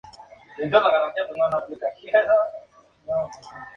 Es obra de Germán López Mejías, de Toledo.